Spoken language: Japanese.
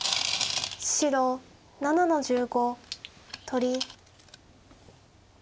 白７の十五取り。